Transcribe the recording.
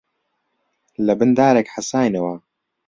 لەبن دارێک حەساینەوە